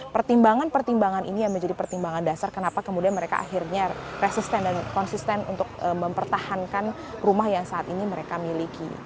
pertimbangan pertimbangan ini yang menjadi pertimbangan dasar kenapa kemudian mereka akhirnya resisten dan konsisten untuk mempertahankan rumah yang saat ini mereka miliki